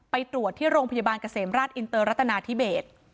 ไปตรวจที่โรงพยาบาลเกษมราชอินเตอร์รัตนาธิเบส